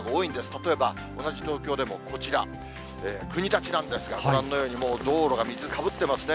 例えば、同じ東京でもこちら、国立なんですが、ご覧のように、道路が水かぶってますね。